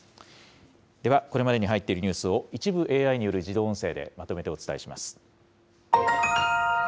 では、これまでに入っているニュースを、一部ＡＩによる自動音声でまとめてお伝えします。